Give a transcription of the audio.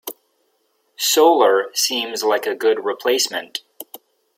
Solar seems like a good replacement.